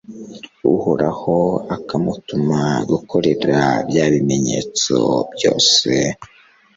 uhoraho akamutuma gukorera bya bimenyetso byose